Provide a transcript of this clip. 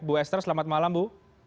bu esther selamat malam bu